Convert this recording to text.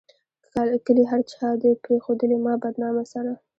کلي هر چا دې پريښودلي ما بدنامه سره